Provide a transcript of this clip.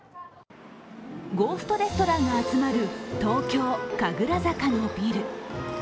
ゴーストレストランが集まる東京・神楽坂のビル。